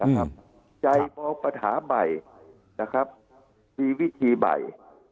ใจพอปัญหาใหม่นะครับมีวิธีใหม่